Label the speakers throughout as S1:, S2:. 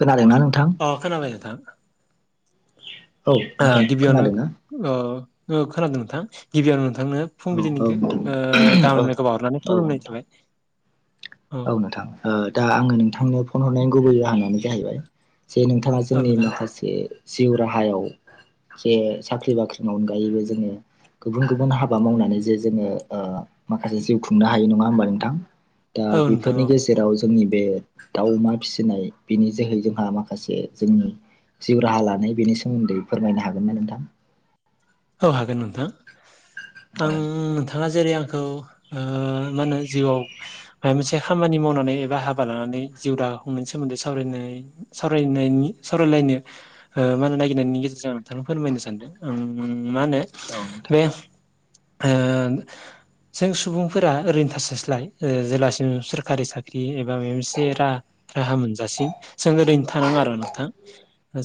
S1: खोनादोंना नोंथां
S2: औ खोनादों नोंथां
S1: औ
S2: ओ
S1: नोंथां
S2: गिबियावनो
S1: खोनादोंना
S2: ओ ओ खोनादों नोंथां गिबियावनो नोंथांनो
S1: औ
S2: फुंबिलिनि ओ
S1: नोंथां औ
S2: गाहामलायनायखौ बावहरनानै
S1: औ
S2: खुलुमनाय
S1: नोंथां
S2: थाबाय
S1: औ नोंथां ओ दा आङो नोंथांनो फन हरनायनि गुबै जाहोनानो जाहैबाय जे नोंथां बिथाङा
S2: औ
S1: जोंनि
S2: नोंथां
S1: माखासे जिउ राहायाव जे साख्रि बाख्रिनि अनगायैबो जोङो गुबुन गुबुन हाबा मावनानै जे जोङो ओ माखासे जिउ खुंनो हायो नङा होमबा नोंथां दा
S2: औ नोंथां
S1: बेफोरनि
S2: औ
S1: गेजेराव जोंनि बे दाउ अमा फिसिनाय बिनि जोहै जोंहा माखासे जोंनि जिउ राहा लानाय बेनि सोमोन्दै फोरमायनो हागोन ना नोंथां
S2: औ हागोन नोंथां
S1: औ
S2: आं नोंथाङा जेरै आंखौ ओ मा होनो जिउआव माबा मोनसे खामानि मावनानै एबा हाबा लानानै जिउ दानायनि सोमोन्दै सावरायनाय सावरायनायनि सावरायलायनो ओ नागिरनायनि गेजेरजों आं नोंथांनो फोरमायनो सानदों उम मा होनो
S1: औ नोंथां
S2: बे ओ जों सुबुंफोरा ओरैनो थासायस्लाय ओ जेलासिम सोरखारि साख्रि एबा माबा मोनसे राहा मोनजासिम जों ओरैनो थानाङा आरो नोंथां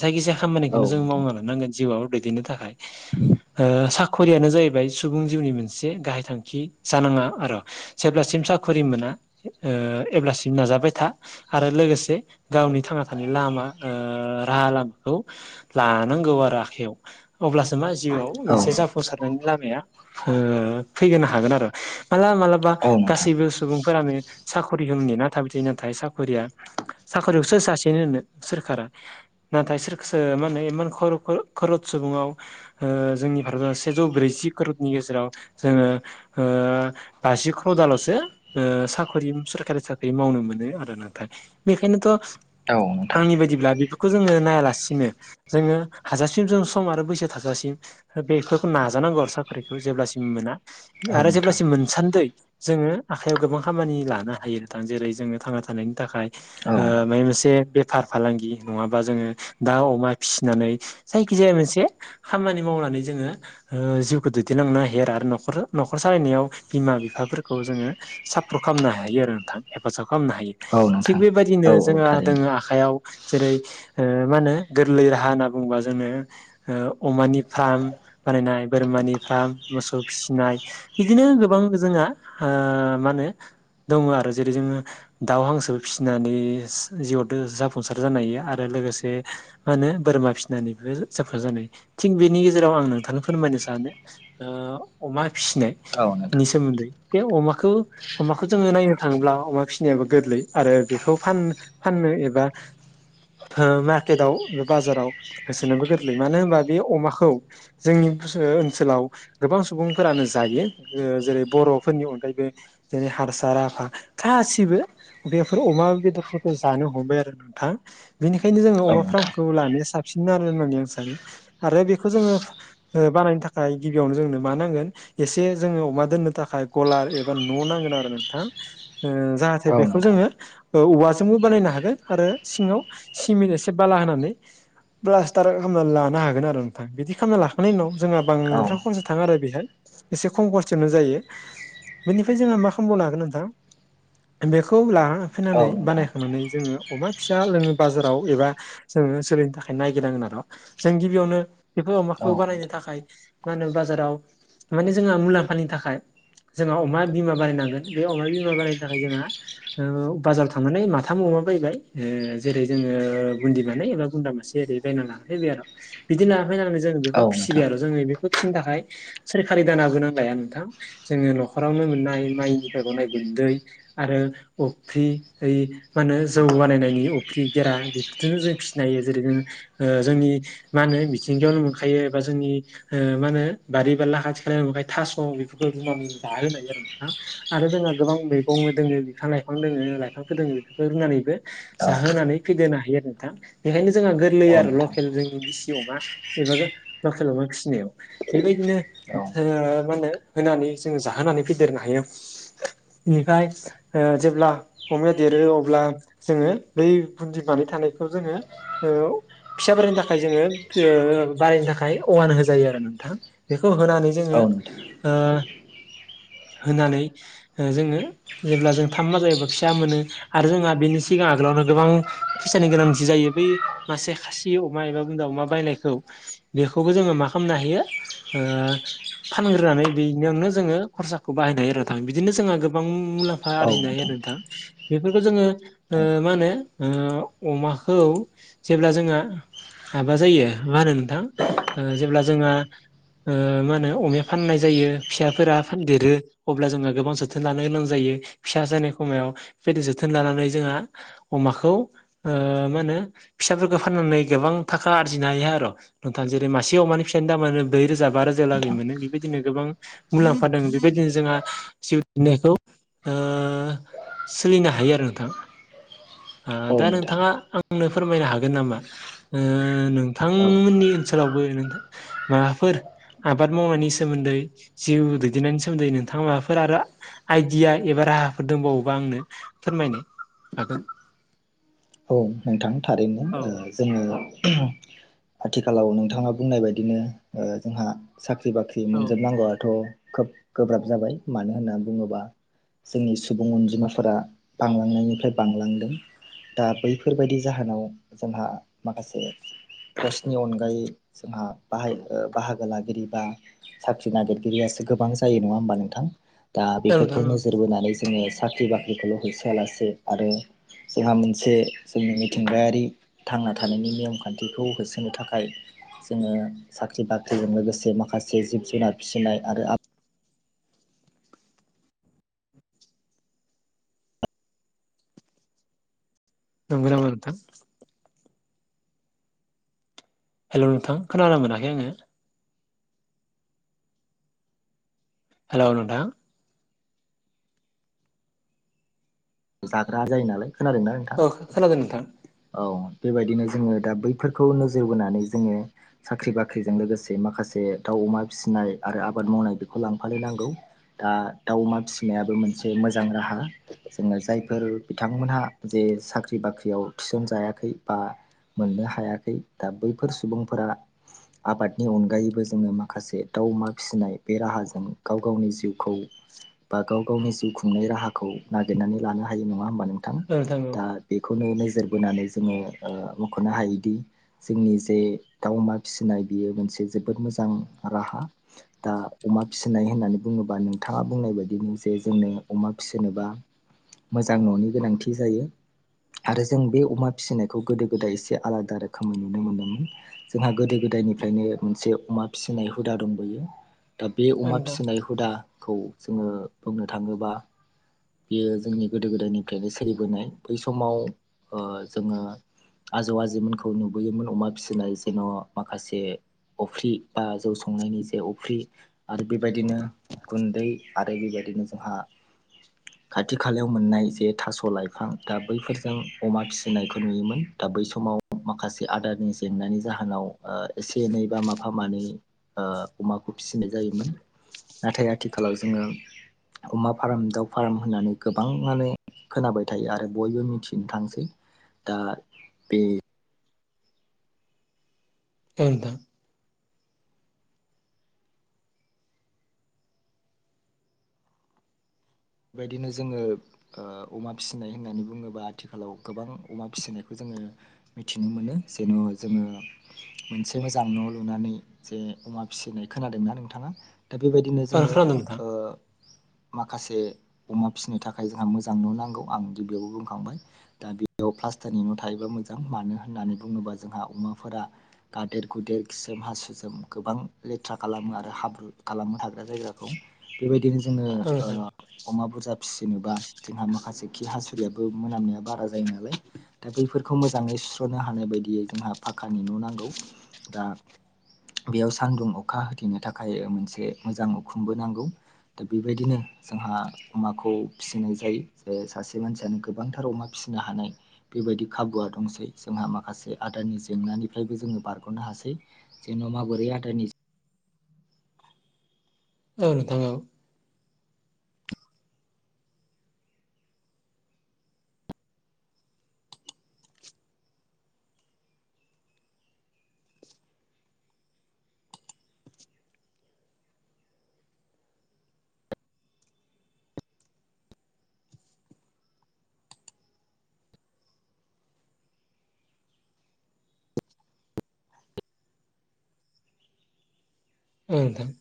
S2: जायखिजाया
S1: औ
S2: खामानिखौनो जों
S1: नोंथां
S2: मावना लानांगोन जिउआव दैदेननो थाखाय
S1: [unintelligible]
S2: ओ साखरियानो जाहैबाय सुबुं जिउनि मोनसे गाहाय थांखि जानाङा आरो जेब्लासिम साख्रिमोना ओ अब्लासिम नाजाबाय था आरो लोगोसे गावनि थांना थानाय लामा ओ राहा लामाखौ लानांगौ आरो आखाइयाव अब्लासो मा जिउआव
S1: औ
S2: मोनसे जाफुं सारनायनि लामाया ओ फैनो हागोन आरो माला माला बा
S1: औ नोंथां
S2: गासैबो सुबुंफोरानो साखरिखौ नेना थाबाय नाथाय साखरिया साखरिखौ सोर सासेनो होनो सोरखारा नाथाय सोरखौसो माने इमान खरद सुबुङाव ओ जोंनि भारताव सेजौ ब्रैजि करतनि गेजेराव ओ जोङो बाजि क्रतालसो ओ साख्रि सोरखारि साख्रि मावनो मोनो आरो नाथाय बेखायनोथ
S1: औ नोंथां
S2: आंनि बायदिब्ला बेफोरखौ जोङो नायालासिनो जोङो हाजाबसिम जों सम आरो बैसो थाजासिम बेफोरखौ नाजानांगौ साख्रिखौ जेब्लासिम मोना
S1: औ
S2: आरो
S1: नोंथां
S2: जेब्लासिम मोनसान्दै जोङो आखाइयाव गोबां खामानि लानो हायो जेरै जोङो थांना थानायनि थाखाय
S1: औ
S2: ओ माबा मोनसे बे बेफार फालांगि नङाबा जोङो दा अमा फिसिनानै जायखिजाया मोनसे खामानि मावनानै जोङो ओ जिउखौ दैदेनलांनो हायो आरो न'खर न'खर सालायनायाव बिमा बिफाफोरखौ जोङो सापर्ट खालामनो हायो आरो नोंथां हेफाजाब खालामनो हायो
S1: औ
S2: थिग
S1: नोंथां
S2: बेबायदिनो
S1: औ औ
S2: जोंहा
S1: थारैनो
S2: दोङो आखयाव जेरै ओ मा होनो गोरलै राहा होनना बुङोबा जोङो ओ अमानि फार्म बानायनाय बोरमानि फार्म मोसौ फिसिनाय बिदिनो गोबां जोंहा ओ मा होनो दङ आरो जेरै जोङो दाउ हांसो फिसिनानै जिउआव जाफुंसार जानो हायो आरो लोगोसे मा होनो बोरमा फिसिनानैबो जाफुंसार जानाय थिग बेनि गेजेराव आं नोंथांनो फोरमायनो सानो ओ अमा फिसिनाय
S1: औ
S2: नि
S1: नोंथां
S2: सोमोन्दै बे अमाखौ अमाखौ जोङो नायनो थाङोब्ला अमा फिसिनायाबो गोरलै आरो बेखौ फान फाननो एबा मार्केटाव एबा बाजाराव होसोनोबो गोरलैयो मानो होनबा बे अमाखौ जोंनि ओनसोलाव गोबां सुबुंफोरानो जायो जेरै बर'फोरनि अनगायैबो जेरै हारसा राभा गासिबो बेफोर अमा बेदरफोरखौ जानो हमबाय आरो नोंथां बेनिखायनो जोङो
S1: औ
S2: अमा
S1: नोंथां
S2: फार्मखौ लानाया साबसिन आरो होननानै आं सानो आरो बेखौ जोङो ओ बानायनो थाखाय गिबियावनो जोंनो मा नांगोन एसे जोङो अमा दोननो थाखाय गलार एबा न' नांगोन आरो नोंथां ओ जाहाथे
S1: औ
S2: बेखौ
S1: नोंथां
S2: जोङो औवाजोंबो बानायनो हागोन आरो सिङाव सिमट एसे बाला होनानै ब्लास्टार खालामनानै लानो हागोन आरो नोंथां बिदि खालामना लाखांनायनि उनाव जोंहा
S1: औ
S2: बांद्राय खरसा थाङा आरो बेहाय एसे खम खस्तयावनो जायो बेनिफ्राय जोंहा मा खालामबावनो हागोन नोंथां बेखौ लाना
S1: औ
S2: फैनानै
S1: नोंथां
S2: बानायखांनानै जोङो अमा फिसा लोङो बाजाराव एबा जोङो सोलैनि थाखाय नायगिरनांगोन आरो जों गिबियावनो बेफोर
S1: औ
S2: अमाखौ बानायनो थाखाय मा होनो बाजाराव माने जोंहा मुलाम्फानि थाखाय जोंहा अमा बिमा बानायनांगोन बे अमा बिमा बानायनो थाखाय जोंहा बाजाराव थांनानै माथाम अमा बायबाय जेरै जोङो बुन्दि मानै एबा बुन्दा मासे ओरै बायना लाना फैबाय आरो बिदि ला फैनानै जों बेखौ
S1: औ नोंथां औ
S2: फिसिबाय
S1: नोंथां
S2: आरो जोङो बेखौ फिसिनो थाखाय सोरखारि दानाबो नांलाया नोंथां जोङो न'खरावनो मोननाय माइनिफ्राय गनाय गुन्दै आरो अफ्रि ओइ मा होनो जौ बानायनायनि अफ्रि गेरा बेफोरजोंनो जों फिसिनो‌ हायो जेरै जों जोंनि मा होनो मिथिंगायावनो मोनखायो एबा जोंनि ओ मा होनो बारि बारला खाथि खालायाव मोनखायो थास' बेफोरखौ रुनानै जाहोनायो आरो नोंथां आरो जोंहा गोबां मैगं दोङो बिफां लाइफां दोङो लाइफांफोर दोङो बेफोरखौ रुनानैबो
S1: औ
S2: जाहोनानै फेदेनो हायो आरो नोंथां बेखायनो जोंहा गोरलै
S1: औ
S2: आरो
S1: नोंथां
S2: लकेल जोंनि दि सि अमा एबा लखेल अमा फिसिनायाव बेबायदिनो ओ मा होनो होनानै जोङो जाहोनानै फेदेरनो हायो बेनिफ्राय जेब्ला अमाया देरो अब्ला जोङो बै बुन्दि मानै थानायखौ जोङो ओ फिसाफोरनि थाखाय जोङो ओ बारायनो थाखाय अमानो होजायो आरो नोंथां बेखौ होनानै
S1: औ नोंथां औ
S2: जोङो
S1: नोंथां
S2: ओ होनानै जोङो जेब्ला जों थाम मा जायोा फिसा मोनो आरो जोंहा बेनि सिगां आगोलावनो गोबां फैसानि गोनांथि जायो बै मासे खासि अमा एबा बुन्दा अमा बायनायखौ बेखौबो जोङो मा खालामनो हायो ओ फानग्रोनानै बेनियावनो जोङो खरसाखौ बाहायनो हायो आरो नोंथां बिदिनो जोंहा गो गोबां मुलाम्फा आरजिनो हायो आरो नोंथां बेफोरखौ जोङो
S1: औ
S2: ओ मा होनो ओ अमाखौ जेब्ला जोंहा माबा जायो मा होनो नोंथां जेब्ला जोंहा ओ मा होनो अमाया फाननाय जायो फिसाफोरा फान देरो अब्ला जोंहा गोबां जोथोन लानो गोनां जायो फिसा जानाय समायाव बेबायदि जोथोन लानानै जोंहा अमाखौ मा होनो फिसाफोरखौ फाननानै गोबां थाखा आरजिनो हायो आरो नोंथाङा जेरै मासे अमानि फिसानि दामानो ब्रै रोजा बा रोजा लागै मोनो बेबायदिनो गोबां मुलाम्फा दों बेबायदिनो जोंहा जिउ खुंनायखौ सोलिनो हायो आरो नोंथां
S1: औ
S2: दा
S1: नोंथां
S2: नोंथाङा आंनो फोरमायनो हागोन नामा नोंथांमोननि ओनसोलावबो नोंथां माबाफोर आबाद मावनायनि सोमोन्दै जिउ दैदेननायनि सोमोनदै नोंथाङा माबाफोर आरो आइडिया एबा राहाफोर दंबावोबा आंनो फोरमायनो हागोन
S1: औ नोंथां थारैनो
S2: औ
S1: जोङो आथिखालाव नोंथाङा बुंनाय बायदिनो जोंहा साख्रि बाख्रि
S2: औ
S1: मोनजोबनांगौआथ' खोब गोब्राब जाबाय मानो होनना बुङोब्ला जोंनि सुबुं अनजिमाफोरा बांलांनायनिफ्राय बांलांदों दा बैफोरबायदि जाहोनाव जोंहा माखासे गावसोरनि अनगायै जोंहा बाहाय बाहागो लागिरि बा साख्रि नागिरगिरियासो गोबां जायो नङा होमबा नोंथां दा
S2: औ नोंथां
S1: बेफोरखौ
S2: औ
S1: नोजोर बोनानै जोङो साख्रि बाख्रिखौल' होसोयालासे आरो जोंहा मोनसे जोंनि मिथिंगायारि थांना थानायनि नियम खान्थिखौ होसोनो थाखाय जोङो साख्रि बाख्रिजों लोगोसे माखासे जिब जुनार फिसिनाय आरो आब
S2: नंगौ नामा नोंथां हेल' नोंथां खोनानो मोनाखै आङो हेल' नोंथां
S1: जाग्रा जायो नालाय खोनादोंना नोंथां
S2: औ खोनादों नोंथां
S1: औ बेबायदिनो जोङो दा बैफोरखौ नोजोर बोनानै जोङो साख्रि बाख्रिजों लोगोसे माखासे दाउ अमा फिसिनाय आरो आबाद मावनाय बेखौ लांफानो नांगौ दा दाउ अमा फिसिनायाबो मोनसे मोजां राहा जोङो जायफोर बिथांमोनहा जे साख्रि बाख्रियाव थिसनजायाखै बा मोननो हायाखै दा बैफोर सुबुंफोरा आबादनि अनगायैबो जोङो माखासे दाउ अमा फिसिनाय बे राहाजों गाव गावनि जिउखौ बा गाव गावनि जिउ खुंनाय राहाखौ नागिरनानै लानो हायो नङा होमबा नोंथां
S2: औ औ
S1: दा बेखौनो नोजोर बोनानै जोङो मख'नो हायोदि जोंनि जे दाउ अमा फिसिनाय बियो मोनसे जोबोद मोजां राहा दा अमा फिसिनाय होननानै बुङोब्ला नोंथाङा बुंनाय बायदिनो जे जोंनो अमा फिसिनोबा मोजां न'नि गोनांथि जायो आरो जों बे अमा फिसिनायखौ गोदो गोदाय एसे आलादा रोखोमै नुनो मोनोमोन जोंहा गोदो गोदायनिफ्रायनो मोनसे अमा फिसिनाय हुदा दंबोयो दा बे
S2: औ
S1: अमा
S2: नोंथां
S1: फिसिनाय हुदाखौ जोङो बुंनो थाङोबा बियो जोंनि गोदो गोदायनिफ्रायनो सोलिबोनाय बै समाव जोङो आजौ आजैमोनखौ नुबोयोमोन अमा फिसिनाय जेन' माखासे अफ्रि बा जौ संनायनि जे अफ्रि आरो बेबायदिनो गुन्दै आरो बेबायदिनो जोंहा खाथि खालायाव मोननाय जे थास' लाइफां दा बैफोरजों अमा फिसिनायखौ नुयोमोन दा बै समाव माखासे आदारनि जेंनानि जाहोनाव एसे एनै बा माफा मानै अमाखौ फिसिनाय जायोमोन नाथाय आथिखालाव जोङो अमा फार्म दाउ फार्म होननानै गोबाङानो खोनाबाय थायो आरो बयबो मिथिनो थांसै दा बे
S2: औ नोंथां
S1: बेबायदिनो जोङो ओ अमा फिसिनाय होननानै बुङोबा आथिखालाव गोबां अमा फिसिनायखौ जोङो मिथिनो मोनो जेन' जोङो मोनसे मोजां न' लुनानै जे अमा फिसिनाय खोनादोंना नोंथाङा दा बेबायदिनो
S2: औ
S1: जोङो
S2: खोनादों नोंथां
S1: ओ माखासे अमा फिसिनो थाखाय जोंहा मोजां न' नांगौ आं गिबियावबो बुंखांबाय दा बेयाव प्लास्टारनि न' थायोबा मोजां मानो होननानै बुङोबा जोंहा अमाफोरा गादेर गुदेर खिसोम हासुसोम गोबां लेथ्रा खालामो आरो हाब्रु खालामो थाग्रा जायगाखौ बेबायदिनो जोङो
S2: औ नोंथां
S1: ओ अमा बुरजा फिसिनोबा जोंहा माखासे खि हासुुदैयाबो मोनामनाया बारा जायो नालाय दा बैफोरखौ मोजाङै सुस्र'नो हानाय बायदियै जोंहा फाखानि न' नांगौ दा बेयाव सान्दुं अखा होथेनो थाखाय मोनसे मोजां उखुमबो नांगौ दा बेबायदिनो जोंहा अमाखौ फिसिनाय जायो जेरै सासे मानसियानो गोबांथार अमा फिसिनो हानाय बेबायदि खाबुआ दंसै जोंहा माखासे आदारानि जेंनानिफ्रायबो जोङो बारग'नो हासै जेन'बा बोरै आदारनि जो
S2: औ नोंथां औ बुं नोंथां